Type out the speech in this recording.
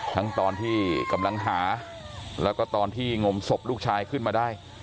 ทั้งตอนที่กำลังหาแล้วก็ตอนที่งมศพลูกชายขึ้นมาได้